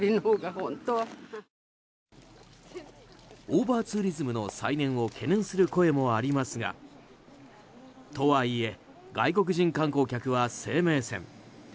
オーバーツーリズムの再燃を懸念する声もありますがとはいえ外国人観光客は生命線。